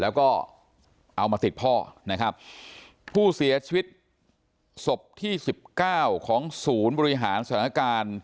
แล้วก็เอามาติดพ่อนะครับผู้เสียชีวิตศพที่สิบเก้าของศูนย์บริหารสถานการณ์